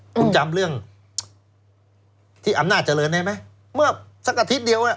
คุณจำเรื่องที่อำนาจเจริญได้ไหมเมื่อสักอาทิตย์เดียวอ่ะ